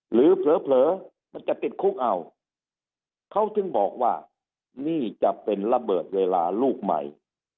เผลอมันจะติดคุกเอาเขาถึงบอกว่านี่จะเป็นระเบิดเวลาลูกใหม่